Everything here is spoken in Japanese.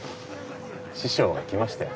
師匠が来ましたよ